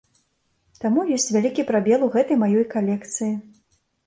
Таму ёсць вялікі прабел у гэтай маёй калекцыі.